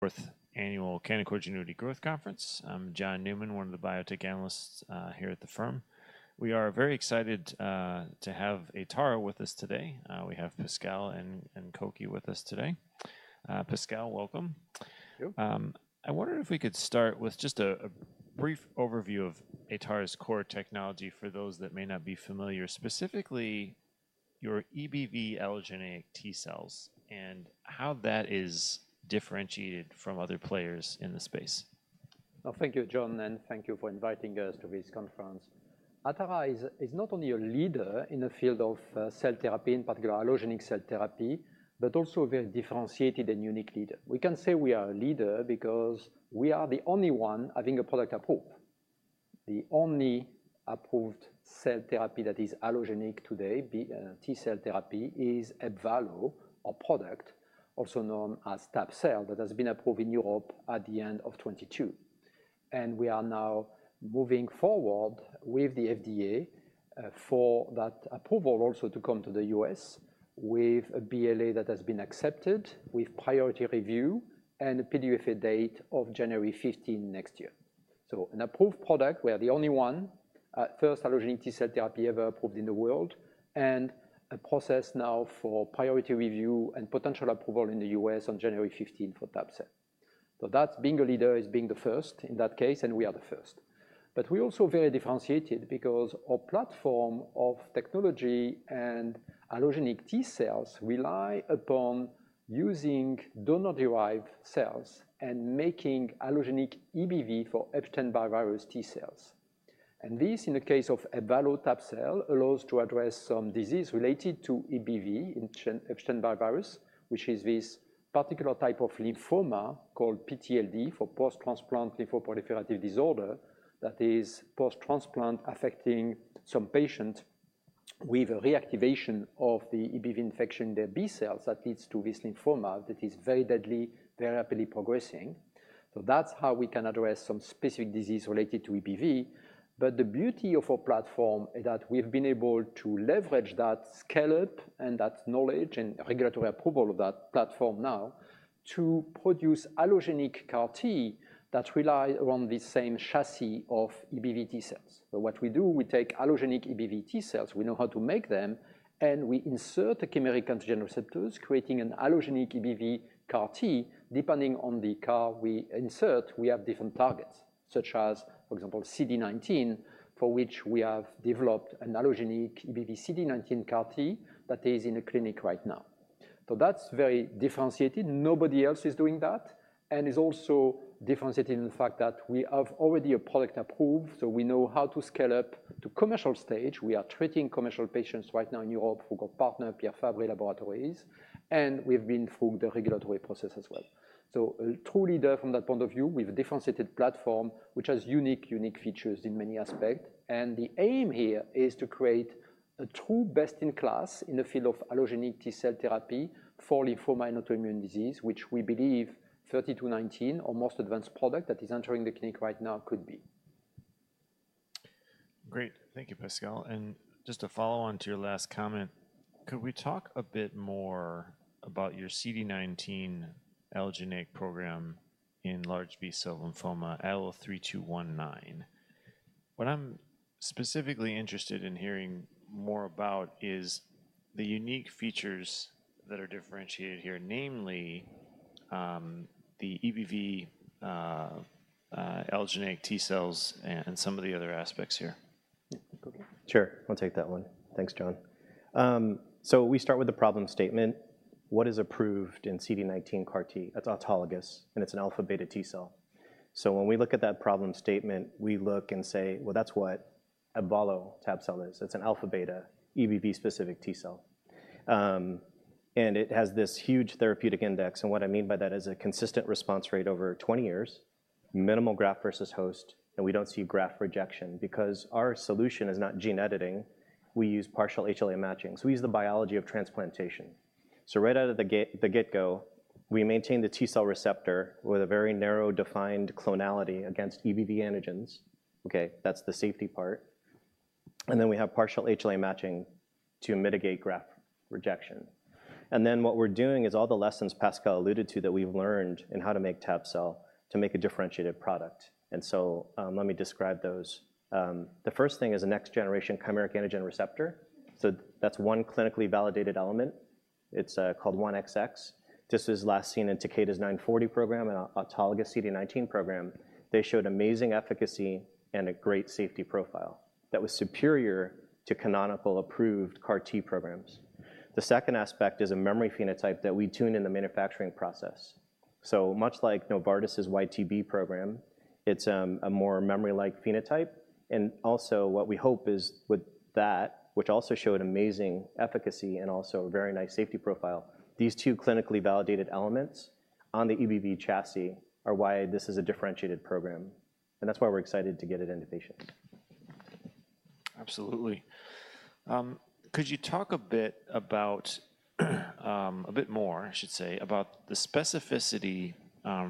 Fourth Annual Canaccord Genuity Growth Conference. I'm John Newman, one of the biotech analysts here at the firm. We are very excited to have Atara with us today. We have Pascal and, and Cokey with us today. Pascal, welcome. Thank you. I wondered if we could start with just a brief overview of Atara's core technology for those that may not be familiar, specifically your EBV allogeneic T cells, and how that is differentiated from other players in the space? Well, thank you, John, and thank you for inviting us to this conference. Atara is not only a leader in the field of cell therapy, in particular allogeneic cell therapy, but also a very differentiated and unique leader. We can say we are a leader because we are the only one having a product approved. The only approved cell therapy that is allogeneic today, T cell therapy, is EBVALLO, our product, also known as tab-cel, that has been approved in Europe at the end of 2022. We are now moving forward with the FDA for that approval also to come to the U.S. with a BLA that has been accepted, with priority review and a PDUFA date of January 15 next year. So an approved product, we are the only one, first allogeneic T-cell therapy ever approved in the world, and a process now for priority review and potential approval in the U.S. on January 15 for tab-cel. So that, being a leader, is being the first in that case, and we are the first. But we're also very differentiated because our platform of technology and allogeneic T-cells rely upon using donor-derived cells and making allogeneic EBV for Epstein-Barr virus T-cells. And this, in the case of EBVALLO tab-cel, allows to address some disease related to EBV, Epstein-Barr virus, which is this particular type of lymphoma called PTLD, for post-transplant lymphoproliferative disorder, that is post-transplant affecting some patient with a reactivation of the EBV infection, their B-cells, that leads to this lymphoma that is very deadly, very rapidly progressing. So that's how we can address some specific disease related to EBV. But the beauty of our platform is that we've been able to leverage that scale-up and that knowledge and regulatory approval of that platform now to produce allogeneic CAR T that rely on the same chassis of EBV T cells. So what we do, we take allogeneic EBV T cells, we know how to make them, and we insert the chimeric antigen receptors, creating an allogeneic EBV CAR T. Depending on the CAR we insert, we have different targets, such as, for example, CD19, for which we have developed an allogeneic EBV CD19 CAR T that is in the clinic right now. So that's very differentiated. Nobody else is doing that, and it's also differentiated in the fact that we have already a product approved, so we know how to scale up to commercial stage. We are treating commercial patients right now in Europe through our partner, Pierre Fabre Laboratories, and we've been through the regulatory process as well. So a true leader from that point of view, with a differentiated platform, which has unique, unique features in many aspects. The aim here is to create a true best-in-class in the field of allogeneic T cell therapy for lymphoma and autoimmune disease, which we believe ATA3219, our most advanced product that is entering the clinic right now, could be. Great. Thank you, Pascal. And just to follow on to your last comment, could we talk a bit more about your CD19 allogeneic program in large B-cell lymphoma, ATA3219? What I'm specifically interested in hearing more about is the unique features that are differentiated here, namely, the EBV allogeneic T cells and some of the other aspects here. Sure, I'll take that one. Thanks, John. So we start with the problem statement. What is approved in CD19 CAR T? That's autologous, and it's an alpha-beta T cell. So when we look at that problem statement, we look and say, "Well, that's what EBVALLO tab-cel is." It's an alpha-beta EBV-specific T cell. And it has this huge therapeutic index, and what I mean by that is a consistent response rate over 20 years, minimal graft versus host, and we don't see graft rejection. Because our solution is not gene editing, we use partial HLA matching. So we use the biology of transplantation. So right out of the gate, from the get-go, we maintain the T cell receptor with a very narrow, defined clonality against EBV antigens. Okay, that's the safety part. And then we have partial HLA matching to mitigate graft rejection. And then what we're doing is all the lessons Pascal alluded to that we've learned in how to make tab-cel to make a differentiated product. And so, let me describe those. The first thing is a next-generation chimeric antigen receptor. So that's one clinically validated element. It's called 1XX. This was last seen in Takeda's 940 program and autologous CD19 program. They showed amazing efficacy and a great safety profile that was superior to canonical approved CAR T programs. The second aspect is a memory phenotype that we tune in the manufacturing process. So much like Novartis' YTB program, it's a more memory-like phenotype, and also what we hope is with that, which also showed amazing efficacy and also a very nice safety profile, these two clinically validated elements on the EBV chassis are why this is a differentiated program, and that's why we're excited to get it into patients. Absolutely. Could you talk a bit about, a bit more, I should say, about the specificity,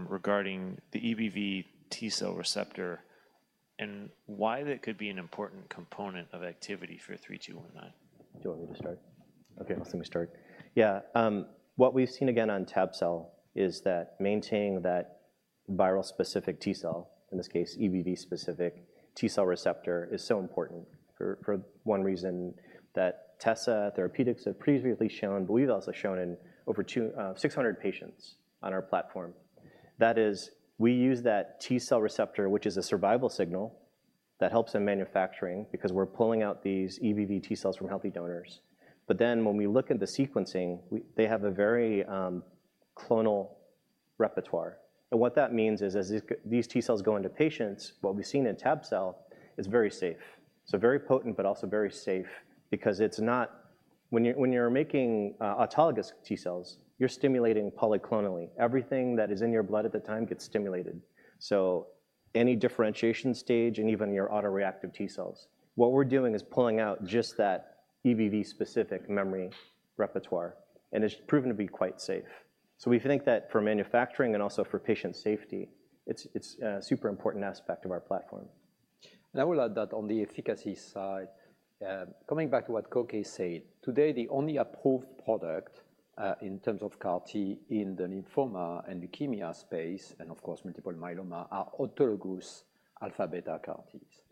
regarding the EBV T cell receptor and why that could be an important component of activity for 3219? Do you want me to start? Okay, let me start. Yeah, what we've seen again on tab-cel is that maintaining that viral specific T cell, in this case, EBV specific T cell receptor, is so important for, for one reason that Tessa Therapeutics have previously shown, but we've also shown in over 260 patients on our platform. That is, we use that T cell receptor, which is a survival signal that helps in manufacturing because we're pulling out these EBV T cells from healthy donors. But then when we look at the sequencing, they have a very clonal repertoire. And what that means is as these these T cells go into patients, what we've seen in tab-cel is very safe. So very potent, but also very safe because it's not. When you're making autologous T cells, you're stimulating polyclonal. Everything that is in your blood at the time gets stimulated, so any differentiation stage and even your autoreactive T cells. What we're doing is pulling out just that EBV specific memory repertoire, and it's proven to be quite safe. So we think that for manufacturing and also for patient safety, it's a super important aspect of our platform. I will add that on the efficacy side, coming back to what Cokey said, today, the only approved product, in terms of CAR T in the lymphoma and leukemia space, and of course, multiple myeloma, are autologous alpha beta CAR Ts.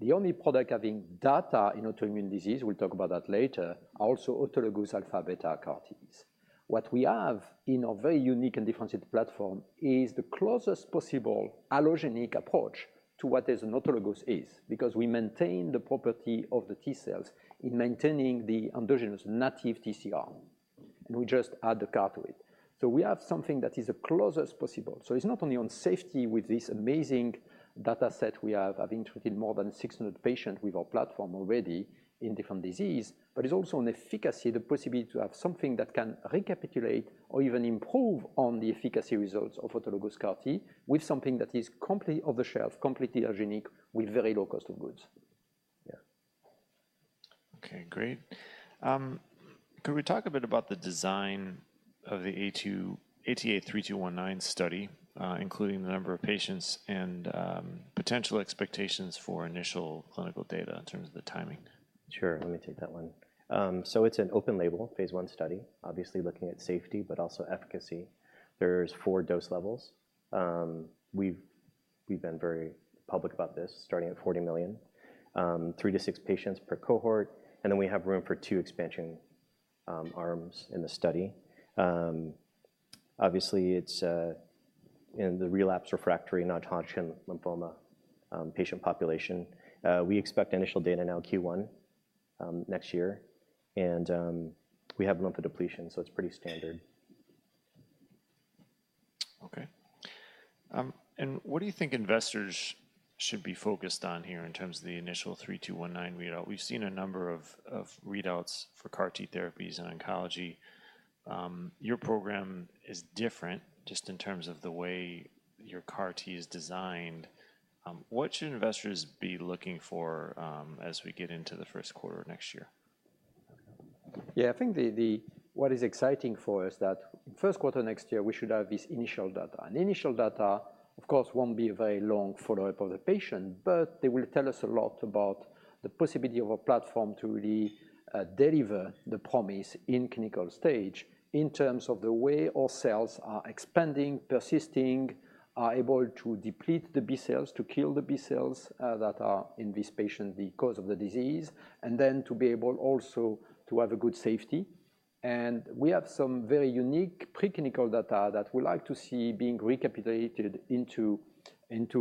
The only product having data in autoimmune disease, we'll talk about that later, are also autologous alpha beta CAR Ts. What we have in a very unique and differentiated platform is the closest possible allogeneic approach to what is an autologous is, because we maintain the property of the T cells in maintaining the endogenous native TCR, and we just add the CAR to it. So we have something that is as close as possible. So it's not only on safety with this amazing data set we have, having treated more than 600 patients with our platform already in different disease, but it's also on efficacy, the possibility to have something that can recapitulate or even improve on the efficacy results of autologous CAR T with something that is completely off the shelf, completely allogeneic, with very low cost of goods. Yeah. Okay, great. Could we talk a bit about the design of the ATA3219 study, including the number of patients and potential expectations for initial clinical data in terms of the timing? Sure, let me take that one. So it's an open label, phase I study, obviously looking at safety but also efficacy. There's four dose levels. We've been very public about this, starting at 40 million. Three to six patients per cohort, and then we have room for two expansion arms in the study. Obviously, it's in the relapsed refractory Non-Hodgkin lymphoma patient population. We expect initial data now Q1 next year, and we have lymphodepletion, so it's pretty standard. Okay. And what do you think investors should be focused on here in terms of the initial 3219 readout? We've seen a number of readouts for CAR T therapies in oncology. Your program is different just in terms of the way your CAR T is designed. What should investors be looking for, as we get into the first quarter of next year? Yeah, I think what is exciting for us is that first quarter next year, we should have this initial data. And initial data, of course, won't be a very long follow-up of the patient, but they will tell us a lot about the possibility of a platform to really deliver the promise in clinical stage in terms of the way our cells are expanding, persisting, are able to deplete the B-cells, to kill the B-cells that are in this patient, the cause of the disease, and then to be able also to have a good safety. And we have some very unique preclinical data that we like to see being recapitulated into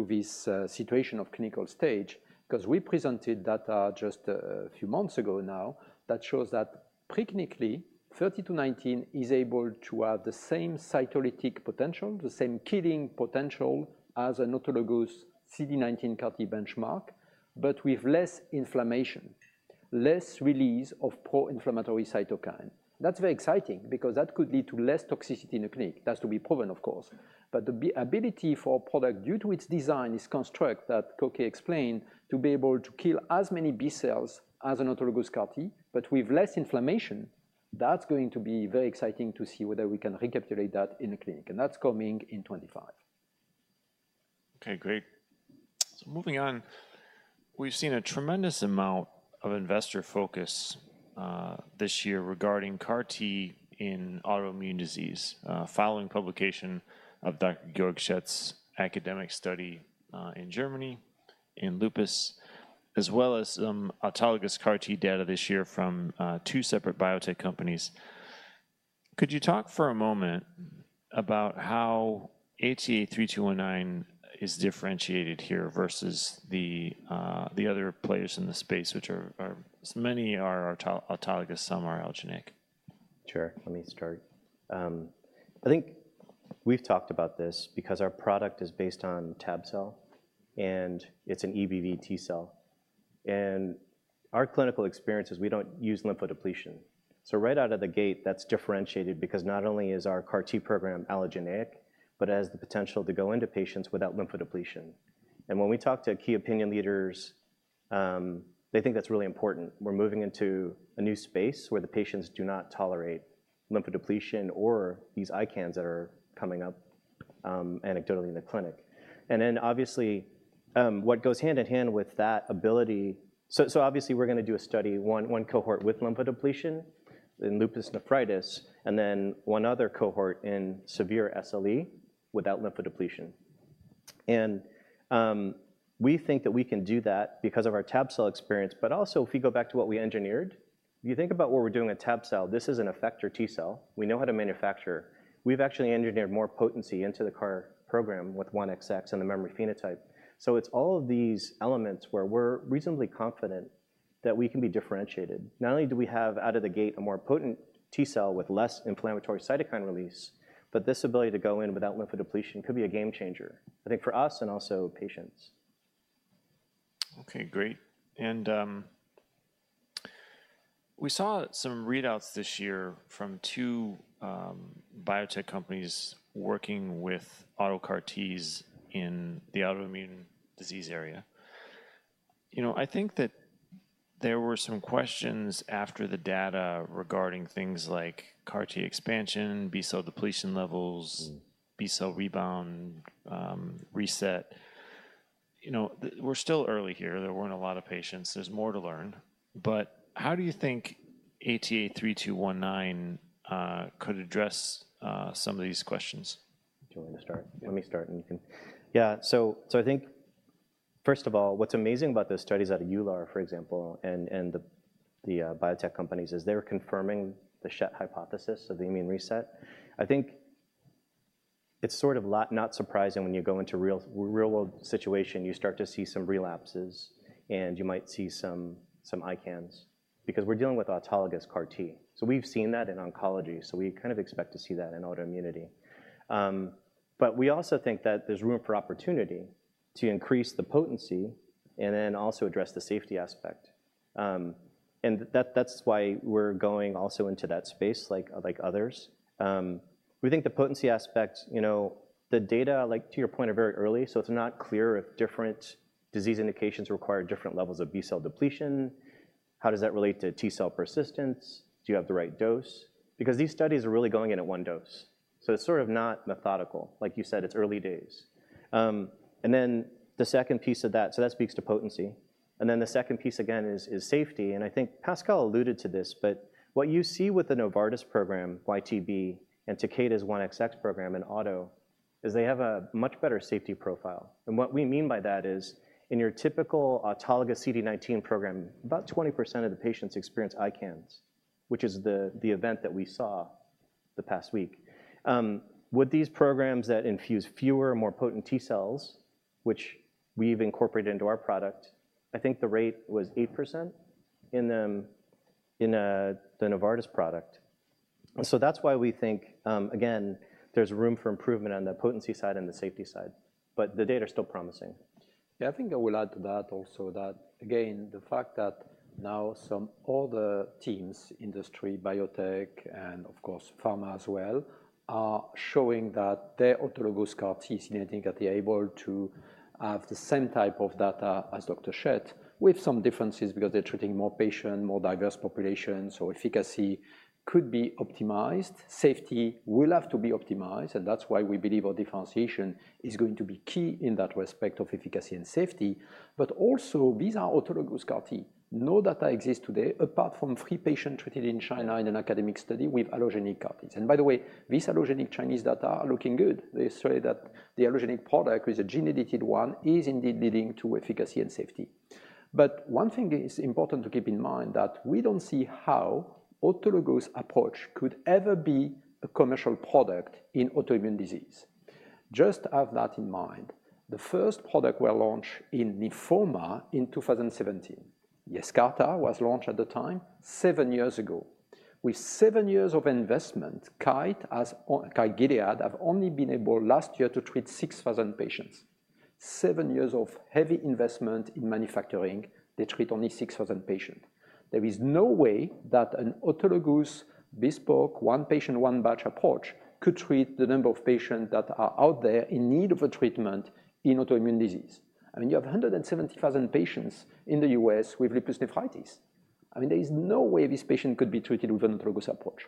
this situation of clinical stage. 'Cause we presented data just a few months ago now that shows that preclinically, 3219 is able to have the same cytolytic potential, the same killing potential as an autologous CD19 CAR T benchmark, but with less inflammation, less release of pro-inflammatory cytokine. That's very exciting because that could lead to less toxicity in the clinic. That's to be proven, of course. But the ability for a product, due to its design, this construct that Cokey explained, to be able to kill as many B-cells as an autologous CAR T, but with less inflammation, that's going to be very exciting to see whether we can recapitulate that in the clinic, and that's coming in 2025. Okay, great. So moving on, we've seen a tremendous amount of investor focus, this year regarding CAR T in autoimmune disease, following publication of Dr. Georg Schett's academic study, in Germany, in Lupus, as well as some autologous CAR T data this year from, two separate biotech companies. Could you talk for a moment about how ATA3219 is differentiated here versus the, the other players in the space, which are, so many are autologous, some are allogeneic. Sure, let me start. I think we've talked about this because our product is based on tab-cel, and it's an EBV T cell. And our clinical experience is we don't use lymphodepletion. So right out of the gate, that's differentiated because not only is our CAR T program allogeneic, but it has the potential to go into patients without lymphodepletion. And when we talk to key opinion leaders, they think that's really important. We're moving into a new space where the patients do not tolerate lymphodepletion or these ICANS that are coming up, anecdotally in the clinic. And then obviously, what goes hand in hand with that ability, so obviously we're gonna do a study, one cohort with lymphodepletion in lupus nephritis, and then one other cohort in severe SLE without lymphodepletion. We think that we can do that because of our tab-cel experience. But also, if we go back to what we engineered, if you think about what we're doing with tab-cel, this is an effector T cell. We know how to manufacture. We've actually engineered more potency into the CAR program with 1XX and the memory phenotype. So it's all of these elements where we're reasonably confident that we can be differentiated. Not only do we have, out of the gate, a more potent T cell with less inflammatory cytokine release, but this ability to go in without lymphodepletion could be a game changer, I think, for us and also patients. Okay, great. And we saw some readouts this year from two biotech companies working with autologous CAR T in the autoimmune disease area. You know, I think that there were some questions after the data regarding things like CAR T expansion, B-cell depletion levels, B-cell rebound, reset. You know, we're still early here. There weren't a lot of patients. There's more to learn. But how do you think ATA3219 could address some of these questions? Do you want me to start? Let me start, and you can. Yeah. So I think, first of all, what's amazing about those studies out of EULAR, for example, and the biotech companies, is they're confirming the Schett hypothesis of the immune reset. I think it's sort of not surprising when you go into real-world situation, you start to see some relapses, and you might see some ICANS, because we're dealing with autologous CAR-T. So we've seen that in oncology, so we kind of expect to see that in autoimmunity. But we also think that there's room for opportunity to increase the potency and then also address the safety aspect. And that's why we're going also into that space, like others. We think the potency aspect, you know, the data, like to your point, are very early, so it's not clear if different disease indications require different levels of B-cell depletion. How does that relate to T cell persistence? Do you have the right dose? Because these studies are really going in at one dose, so it's sort of not methodical. Like you said, it's early days. And then the second piece of that. So that speaks to potency. And then the second piece, again, is, is safety, and I think Pascal alluded to this, but what you see with the Novartis program, YTB, and Takeda's 1XX program in auto, is they have a much better safety profile. What we mean by that is, in your typical autologous CD19 program, about 20% of the patients experience ICANS, which is the event that we saw the past week. With these programs that infuse fewer, more potent T cells, which we've incorporated into our product, I think the rate was 8% in the Novartis product. So that's why we think, again, there's room for improvement on the potency side and the safety side, but the data are still promising. Yeah, I think I will add to that also, that again, the fact that now some other teams, industry, biotech, and of course, pharma as well, are showing that their autologous CAR-T is indicating that they're able to have the same type of data as Dr. Schett, with some differences because they're treating more patients, more diverse populations, so efficacy could be optimized. Safety will have to be optimized, and that's why we believe our differentiation is going to be key in that respect of efficacy and safety. But also, these are autologous CAR-T. No data exist today, apart from three patients treated in China in an academic study with allogeneic CAR-Ts. And by the way, these allogeneic Chinese data are looking good. They say that the allogeneic product, which is a gene-edited one, is indeed leading to efficacy and safety. But one thing is important to keep in mind, that we don't see how autologous approach could ever be a commercial product in autoimmune disease. Just have that in mind. The first product were launched in lymphoma in 2017. YESCARTA was launched at the time, seven years ago. With seven years of investment, Kite Gilead have only been able, last year, to treat 6,000 patients. seven years of heavy investment in manufacturing, they treat only 6,000 patients. There is no way that an autologous, bespoke, one-patient, one-batch approach could treat the number of patients that are out there in need of a treatment in autoimmune disease. I mean, you have 170,000 patients in the U.S. with lupus nephritis. I mean, there is no way this patient could be treated with an autologous approach.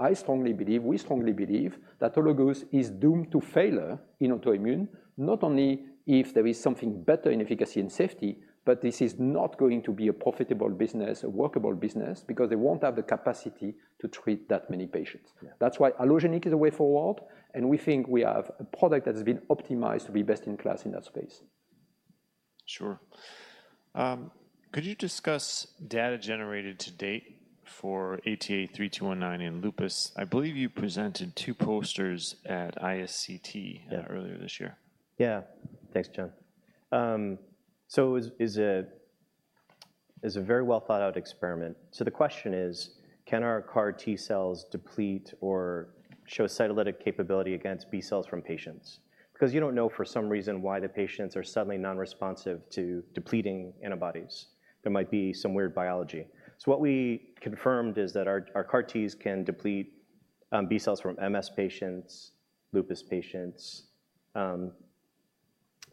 I strongly believe, we strongly believe that autologous is doomed to failure in autoimmune, not only if there is something better in efficacy and safety, but this is not going to be a profitable business, a workable business, because they won't have the capacity to treat that many patients. Yeah. That's why allogeneic is the way forward, and we think we have a product that has been optimized to be best in class in that space. Sure. Could you discuss data generated to date for ATA3219 in lupus? I believe you presented two posters at ISCT. Yeah Earlier this year. Yeah. Thanks, John. So it is a very well-thought-out experiment. So the question is, can our CAR T cells deplete or show cytolytic capability against B-cells from patients? Because you don't know for some reason why the patients are suddenly non-responsive to depleting antibodies. There might be some weird biology. So what we confirmed is that our CAR-Ts can deplete B-cells from MS patients, lupus patients.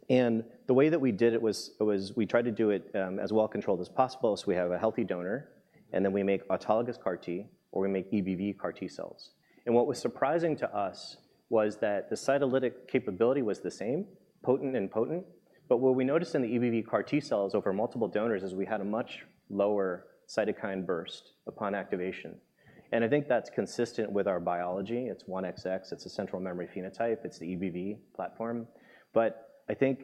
And the way that we did it was we tried to do it as well-controlled as possible. So we have a healthy donor, and then we make autologous CAR T, or we make EBV CAR T cells. And what was surprising to us was that the cytolytic capability was the same, potent and potent. But what we noticed in the EBV CAR T cells over multiple donors is we had a much lower cytokine burst upon activation, and I think that's consistent with our biology. It's 1XX, it's a central memory phenotype, it's the EBV platform. But I think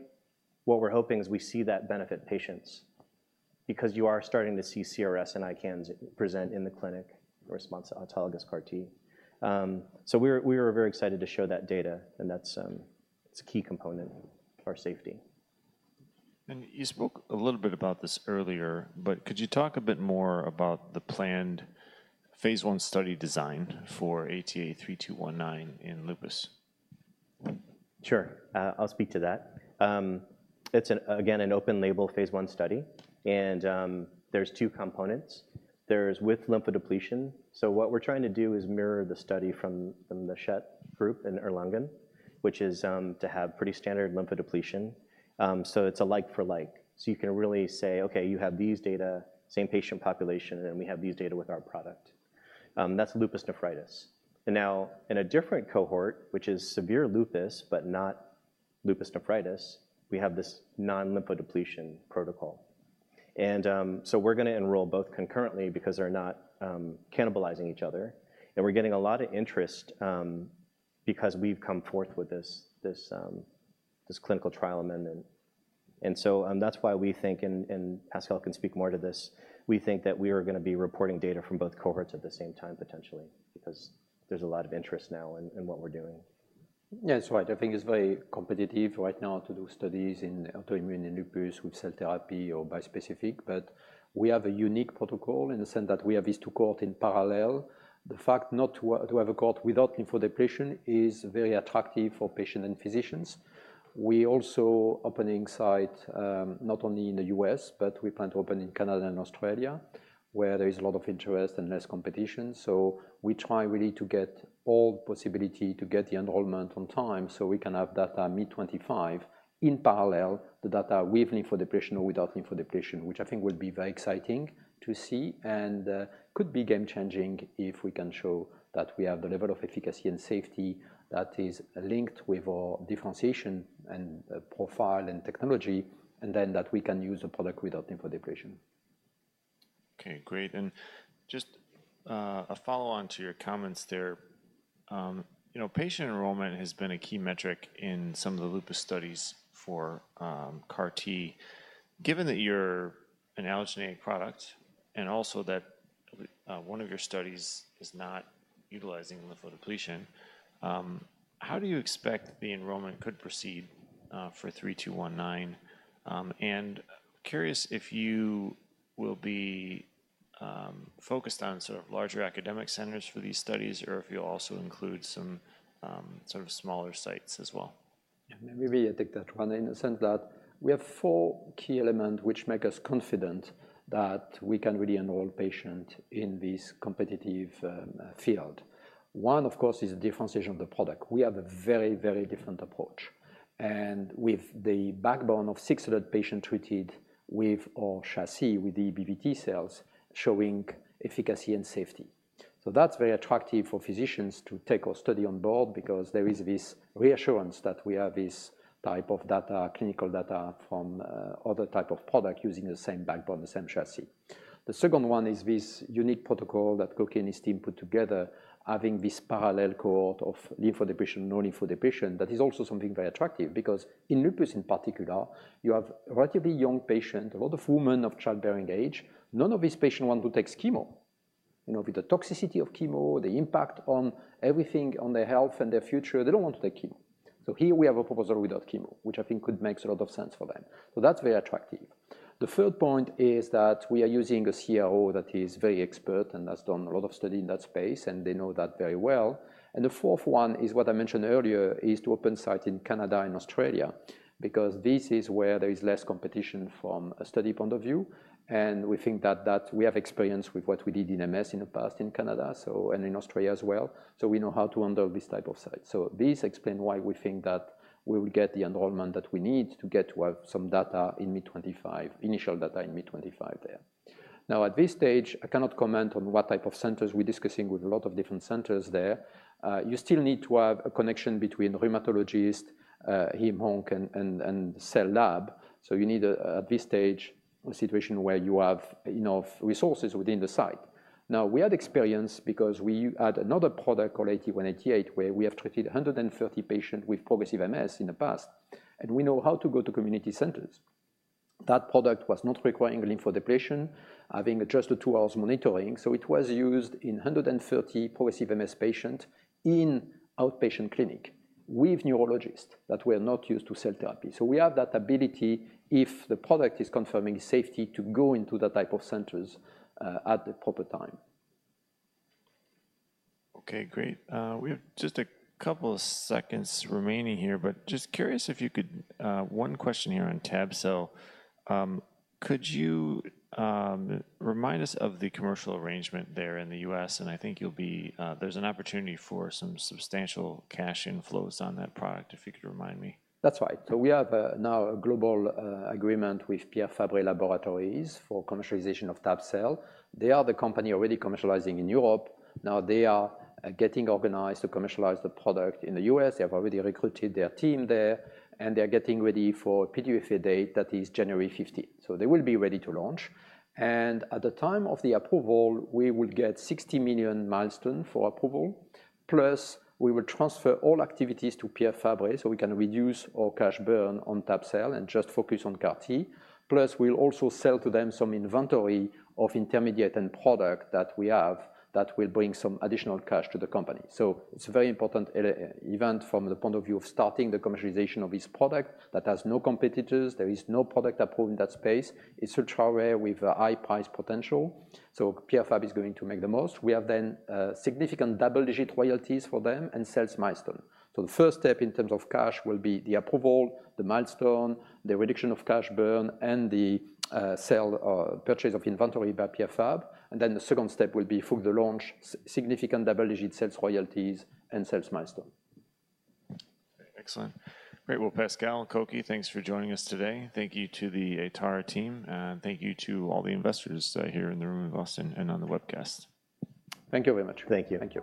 what we're hoping is we see that benefit patients, because you are starting to see CRS and ICANS present in the clinic in response to autologous CAR T. So we were very excited to show that data, and that's, it's a key component for our safety. You spoke a little bit about this earlier, but could you talk a bit more about the planned phase I study design for ATA3219 in lupus? Sure. I'll speak to that. It's again an open label phase one study, and there's two components. There's with lymphodepletion. So what we're trying to do is mirror the study from the Schett group in Erlangen, which is to have pretty standard lymphodepletion. So it's a like for like. So you can really say, "Okay, you have these data, same patient population, and then we have these data with our product." That's lupus nephritis. And now, in a different cohort, which is severe lupus, but not lupus nephritis, we have this non-lymphodepletion protocol. And so we're gonna enroll both concurrently because they're not cannibalizing each other, and we're getting a lot of interest because we've come forth with this clinical trial amendment. And so, that's why we think, and Pascal can speak more to this, we think that we are gonna be reporting data from both cohorts at the same time, potentially, because there's a lot of interest now in what we're doing. Yeah, that's right. I think it's very competitive right now to do studies in autoimmune and lupus with cell therapy or bispecific, but we have a unique protocol in the sense that we have these two cohort in parallel. The fact not to have a cohort without lymphodepletion is very attractive for patient and physicians. We also opening site, not only in the U.S., but we plan to open in Canada and Australia, where there is a lot of interest and less competition. So we try really to get all possibility to get the enrollment on time, so we can have data mid-2025. In parallel, the data with lymphodepletion or without lymphodepletion, which I think will be very exciting to see and, could be game changing if we can show that we have the level of efficacy and safety that is linked with our differentiation and profile and technology, and then that we can use the product without lymphodepletion. Okay, great. And just a follow-on to your comments there. You know, patient enrollment has been a key metric in some of the Lupus studies for CAR T. Given that you're an allogeneic product and also that one of your studies is not utilizing lymphodepletion, how do you expect the enrollment could proceed for 3219? And curious if you will be focused on sort of larger academic centers for these studies, or if you'll also include some sort of smaller sites as well. Yeah, maybe I take that one in the sense that we have 4 key elements which make us confident that we can really enroll patient in this competitive field. One, of course, is differentiation of the product. We have a very, very different approach, and with the backbone of 600 patient treated with our chassis, with the EBV T cells, showing efficacy and safety. So that's very attractive for physicians to take our study on board because there is this reassurance that we have this type of data, clinical data from other type of product using the same backbone, the same chassis. The second one is this unique protocol that Cokey and his team put together, having this parallel cohort of lymphodepletion, no lymphodepletion. That is also something very attractive because in lupus, in particular, you have relatively young patient, a lot of women of childbearing age. None of these patients want to take chemo. You know, with the toxicity of chemo, the impact on everything, on their health and their future, they don't want to take chemo. So here we have a proposal without chemo, which I think could makes a lot of sense for them. So that's very attractive. The third point is that we are using a CRO that is very expert and has done a lot of study in that space, and they know that very well. And the fourth one is what I mentioned earlier, is to open site in Canada and Australia, because this is where there is less competition from a study point of view, and we think that we have experience with what we did in MS in the past in Canada, so, and in Australia as well. So we know how to handle this type of site. So this explain why we think that we will get the enrollment that we need to get to have some data in mid-2025, initial data in mid-2025 there. Now, at this stage, I cannot comment on what type of centers. We're discussing with a lot of different centers there. You still need to have a connection between rheumatologist, hemonc, and cell lab. So you need, at this stage, a situation where you have enough resources within the site. Now, we had experience because we had another product called ATA188, where we have treated 150 patient with progressive MS in the past, and we know how to go to community centers. That product was not requiring lymphodepletion, having just the two hours monitoring. It was used in 150 progressive MS patients in outpatient clinics with neurologists that were not used to cell therapy. So we have that ability, if the product is confirming safety, to go into that type of centers, at the proper time. Okay, great. We have just a couple of seconds remaining here, but just curious if you could, one question here on tab-cel. Could you, remind us of the commercial arrangement there in the U.S.? And I think you'll be, there's an opportunity for some substantial cash inflows on that product, if you could remind me. That's right. So we have now a global agreement with Pierre Fabre Laboratories for commercialization of tab-cel. They are the company already commercializing in Europe. Now they are getting organized to commercialize the product in the U.S. They have already recruited their team there, and they are getting ready for PDUFA date that is January 15. So they will be ready to launch, and at the time of the approval, we will get $60 million milestone for approval, plus we will transfer all activities to Pierre Fabre, so we can reduce our cash burn on tab-cel and just focus on CAR T. Plus, we'll also sell to them some inventory of intermediate and product that we have that will bring some additional cash to the company. So it's a very important event from the point of view of starting the commercialization of this product that has no competitors. There is no product approved in that space. It's ultra-rare with a high price potential, so Pierre Fabre is going to make the most. We have then, significant double-digit royalties for them and sales milestone. So the first step in terms of cash will be the approval, the milestone, the reduction of cash burn, and the, sale or purchase of inventory by Pierre Fabre. And then the second step will be for the launch, significant double-digit sales royalties and sales milestone. Excellent. Great. Well, Pascal and Cokey, thanks for joining us today. Thank you to the Atara team, and thank you to all the investors here in the room in Boston and on the webcast. Thank you very much. Thank you. Thank you.